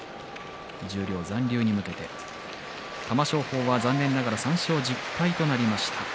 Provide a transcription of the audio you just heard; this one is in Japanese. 十両残留に向けて玉正鳳は残念ながら３勝１０敗となりました。